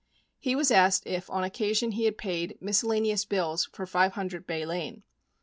He was asked if on occasion he had paid "miscellaneous bills for 500 Bay Lane."